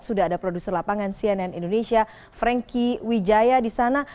sudah ada produser lapangan cnn indonesia franky wijaya di sana